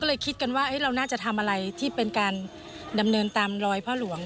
ก็เลยคิดกันว่าเราน่าจะทำอะไรที่เป็นการดำเนินตามรอยพ่อหลวง